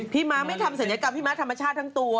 ม้าไม่ทำศัลยกรรมพี่ม้าธรรมชาติทั้งตัว